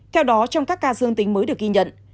theo đó trong các ca dương tính mới được ghi nhận